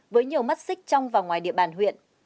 với nhiều mắt xích trong và ngoài địa bàn huyện